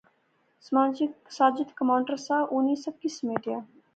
ساجد کمانڈر سا، انی سب کی سمیٹیا